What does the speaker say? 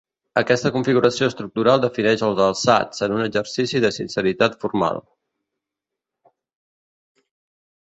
Aquesta configuració estructural defineix els alçats, en un exercici de sinceritat formal.